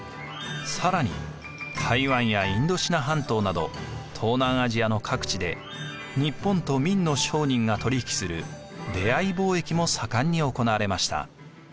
更に台湾やインドシナ半島など東南アジアの各地で日本と明の商人が取り引きする出会貿易も盛んに行われました。